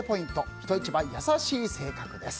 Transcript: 人一倍優しい性格です。